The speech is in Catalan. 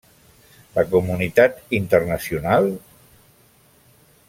La comunitat internacional?